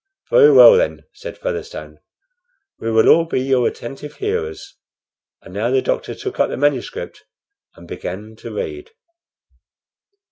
"Very well, then," said Featherstone; "we will all be your attentive hearers." And now the doctor took up the manuscript and began to read.